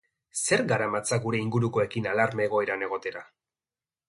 Zerk garamatza gure ingurukoekin alarma-egoeran egotera?